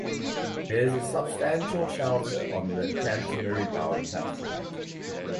There is a substantial shelter on the Canterbury-bound platform.